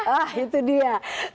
ah itu dia